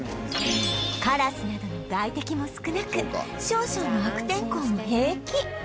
カラスなどの外敵も少なく少々の悪天候も平気